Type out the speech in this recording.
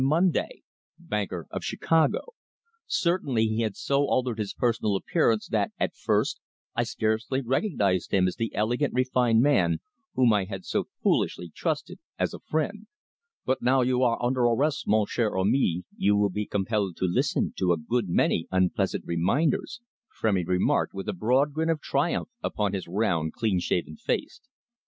Munday, banker, of Chicago. Certainly he had so altered his personal appearance that at first I scarcely recognised him as the elegant, refined man whom I had so foolishly trusted as a friend. "But now you are under arrest, mon cher ami, you will be compelled to listen to a good many unpleasant reminders," Frémy remarked with a broad grin of triumph upon his round, clean shaven face.